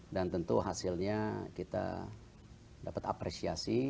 dan tentu hasilnya kita dapat apresiasi